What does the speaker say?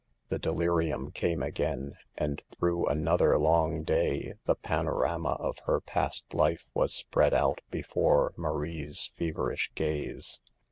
The delirium came again, and through another long day the panorama # of her past life was spread out before Marie's feverish gaze.